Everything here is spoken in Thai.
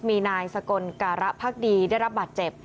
มีนายสกลการพักดีได้รับบาดเจ็บ